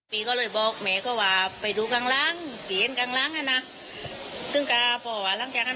มันไม่ได้นั่นน่ะค่ะ